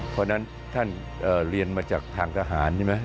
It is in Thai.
เพราะฉะนั้นท่านเรียนมาจากทางทหารใช่ไหม